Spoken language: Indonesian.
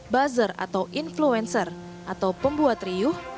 buzzer atau influencer atau pembuat riuh